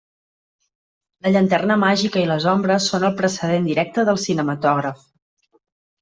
La llanterna màgica i les ombres són el precedent directe del cinematògraf.